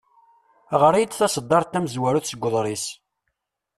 Ɣer-iyi-d taseddart tamezwarut seg uḍris.